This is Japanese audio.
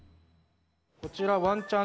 こちらわんちゃん